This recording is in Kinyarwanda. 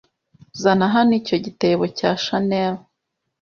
Zana hano icyo gitebo cya chanell.